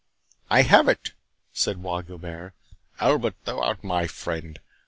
"I have it," said Bois Guilbert. "Albert, thou art my friend.